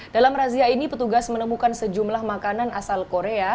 dalam razia ini petugas menemukan sejumlah makanan asal korea